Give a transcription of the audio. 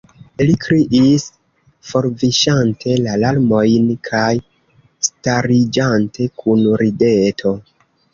li kriis, forviŝante la larmojn kaj stariĝante kun rideto.